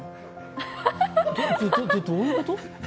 ど、ど、どういうこと？